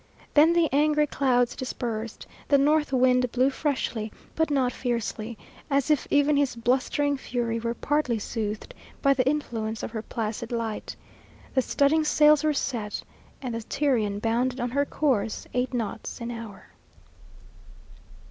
Then the angry clouds dispersed; the north wind blew freshly, but not fiercely, as if even his blustering fury were partly soothed by the influence of her placid light; the studding sails were set, and the Tyrian bounded on her course eight knots an hour.